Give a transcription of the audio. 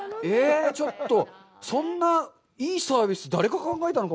そんないいサービス、誰が考えたのか。